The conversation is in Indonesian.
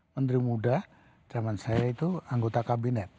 menteri muda zaman saya itu anggota kabinet